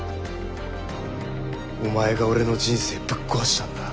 お前が俺の人生ぶっ壊したんだ。